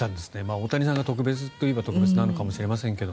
大谷さんが特別といえば特別なのかもしれませんけど。